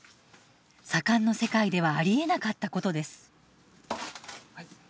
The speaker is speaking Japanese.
左官の世界ではありえなかったことです。